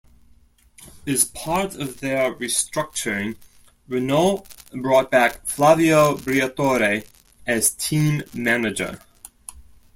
As part of their restructuring, Renault brought back Flavio Briatore as team manager.